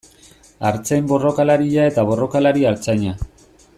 Artzain borrokalaria eta borrokalari artzaina.